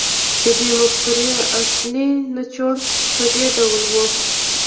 د دې مفکورې اصلي نچوړ په دې ډول و